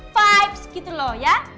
vibes gitu loh ya